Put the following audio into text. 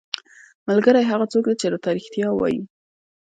ملګری هغه څوک دی چې درته رښتیا وايي.